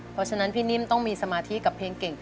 เพราะฉะนั้นพี่นิ่มต้องมีสมาธิกับเพลงเก่ง